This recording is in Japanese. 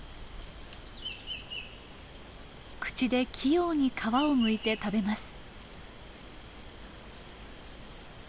口で器用に皮をむいて食べます。